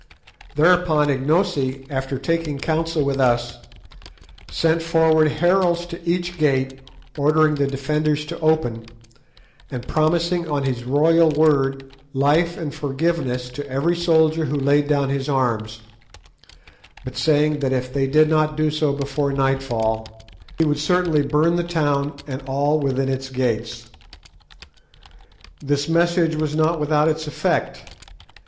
Thereupon Ignosi, after taking counsel with us, sent forward heralds to each gate ordering the defenders to open, and promising on his royal word life and forgiveness to every soldier who laid down his arms, but saying that if they did not do so before nightfall he would certainly burn the town and all within its gates. This message was not without its effect.